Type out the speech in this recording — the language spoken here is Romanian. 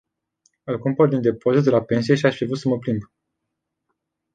Îl cumpăr din depozit la pensie aș fi vrut să mă plimb.